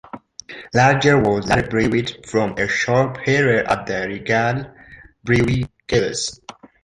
Lager was later brewed for a short period at the Regal Brewery, Kells.